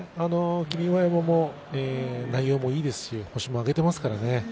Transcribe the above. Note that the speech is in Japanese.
霧馬山も内容がいいですけど１つ負けていますからね